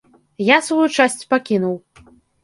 Я сваю часць пакінуў.